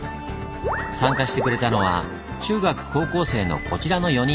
参加してくれたのは中学高校生のこちらの４人。